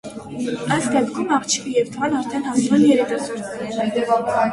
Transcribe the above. Այս դեպքում աղջիկը և տղան արդեն հասուն երիտասարդներ են։